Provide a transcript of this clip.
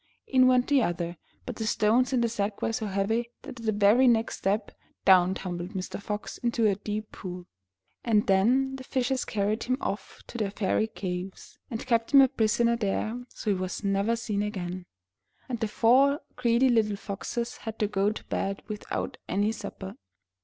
In went the other, but the stones in the sack were so heavy that at the very next step, down tumbled Mr. Fox into a deep pool. And then the fishes carried him off to their fairy caves 219 MY BOOK HOUSE and kept him a prisoner there, so he was never seen again. And the four greedy little foxes had to go to bed without any supper.